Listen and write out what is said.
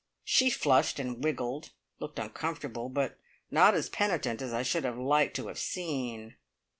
She flushed and wriggled, looked uncomfortable, but not as penitent as I should have liked to have seen.